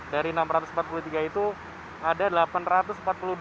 dari enam ratus empat puluh tiga itu ada delapan ratus empat puluh dua